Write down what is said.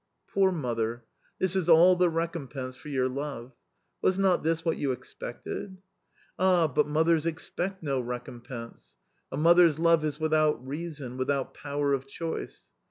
,, Poor mother ! This is all the recompense for your love ! Was not this what you expected ? Ah, but mothers expect no recompense. A mother's love is without reason, without power of choice.